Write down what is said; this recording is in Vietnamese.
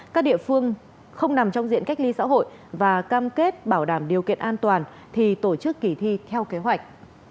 các địa phương không nằm trong diện cách ly xã hội và cam kết bảo đảm điều kiện an toàn thì tổ chức kỳ thi theo kế hoạch